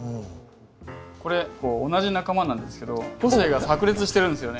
これ同じ仲間なんですけど個性がさく裂してるんですよね。